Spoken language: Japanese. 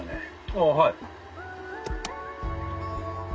「ああはい」。